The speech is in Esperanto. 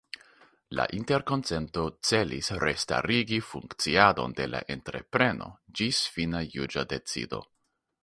La interkonsento celis restarigi funkciadon de la entrepreno ĝis fina juĝa decido.